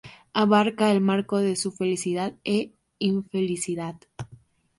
Abarca el marco de su felicidad e infelicidad.